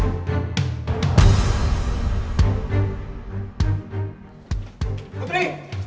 aku mau kejari putri sekarang